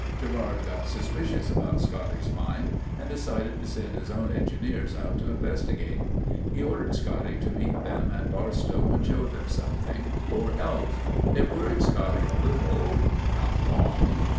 Gerard got suspicious about Scotty's mine and decided to send his own engineers out to investigate. He ordered Scotty to meet them at Barstow and show them something or else. It worried Scotty a little, not long.